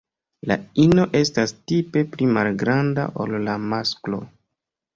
La ino estas tipe pli malgranda ol la masklo.